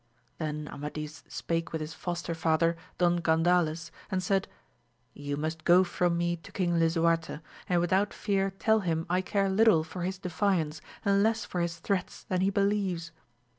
Then Amadis spake with his foster father Don Gan dales and said, you must go from me to King Lisuarte, Mid without fear tell him I care little for his defiance and less for his threats than he believes.